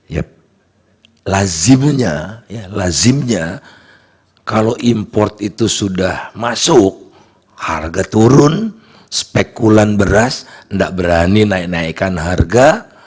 ya lazimnya ya lazimnya kalau import itu sudah masuk harga turun spekulan beras enggak berani naik naikan harga